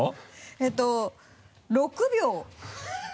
えっと６秒。